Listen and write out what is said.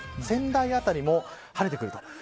仙台辺りも晴れてくる。